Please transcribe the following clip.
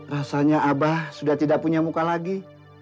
rasanya abah sudah tidak punya muka lagi